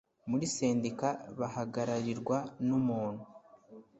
muri sendika bahagararirwa n umuntu